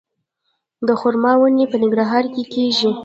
د خرما ونې په ننګرهار کې کیږي؟